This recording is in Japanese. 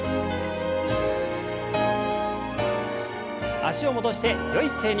脚を戻してよい姿勢に。